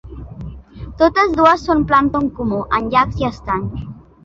Totes dues són plàncton comú en llacs i estanys.